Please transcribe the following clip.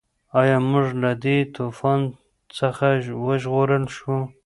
ایا موږ له دې طوفان څخه وژغورل شوو؟